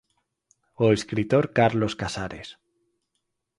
O escritor Carlos Casares.